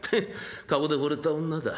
顔でほれた女だ。